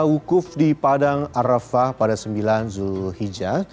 hukuf di padang arrafah pada sembilan zulhijjah